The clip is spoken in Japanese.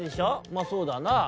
「まあそうだなあ。」